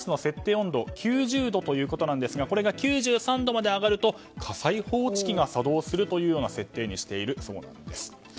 温度９０度ということですがこれが９３度まで上がると火災報知器が作動する設定にしているそうなんです。